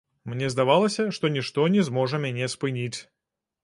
Мне здавалася, што нішто не зможа мяне спыніць.